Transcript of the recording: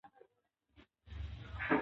سیاسي واک د خدمت لپاره دی